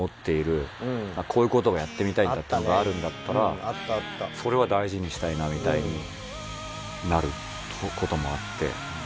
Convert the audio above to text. こういう事がやってみたいんだっていうのがあるんだったらそれは大事にしたいなみたいになる事もあって。